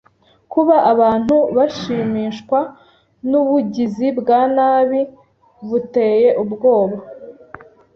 Kuba abantu bashimishwa nubugizi bwa nabi buteye ubwoba.